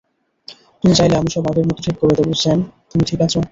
তুমি চাইলে, আমি সব আগের মত ঠিক করে দেব স্যাম, তুমি ঠিক আছ?